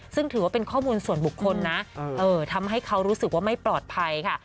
ซึ่งถือว่าเป็นข้อมูลส่วนบุคคลนะทำให้เขารู้สึกว่าไม่ปลอดภัยค่ะ